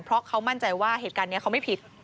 เพราะเขามั่นใจว่าเหตุการณ์นี้เขาไม่ผิด